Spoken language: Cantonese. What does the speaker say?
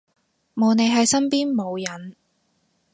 冇你喺身邊冇癮